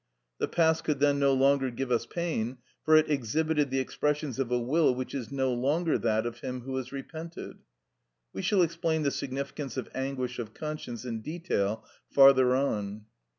The past could then no longer give us pain, for it exhibited the expressions of a will which is no longer that of him who has repented. We shall explain the significance of anguish of conscience in detail farther on.